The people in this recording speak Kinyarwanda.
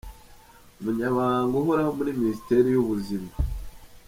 Umunyamabanga uhoraho muri Minisiteri y’ubuzima,